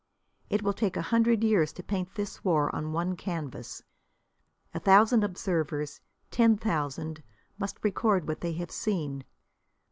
It will take a hundred years to paint this war on one canvas. A thousand observers, ten thousand, must record what they have seen.